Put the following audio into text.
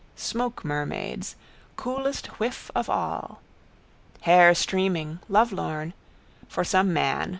Smoke mermaids, coolest whiff of all. Hair streaming: lovelorn. For some man.